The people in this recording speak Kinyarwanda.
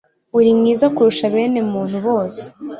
Uri mwiza kurusha bene muntu bose